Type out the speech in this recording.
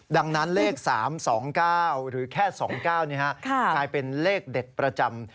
ดังนั้นเลข๓๒๙หรือแค่๒๙กลายเป็นเลขเด็ดประจำ